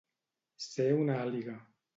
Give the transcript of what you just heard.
Ser una àliga.